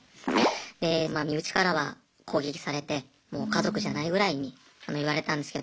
で身内からは攻撃されてもう家族じゃないぐらいに言われたんですけど。